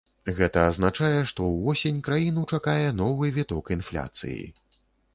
Гэта азначае, што ўвосень краіну чакае новы віток інфляцыі.